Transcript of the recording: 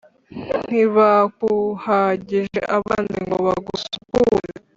Ntibakuhagije amazi ngo bagusukure